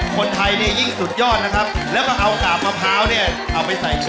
โอ้โหหน้าทิศ